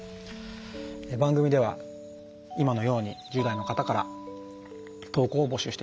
番組では今のように１０代の方から投稿を募集しています。